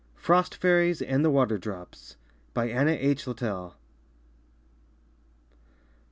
FROST FAIRIES AND THE WATER DROPS. BY ANNA H. LITTELL.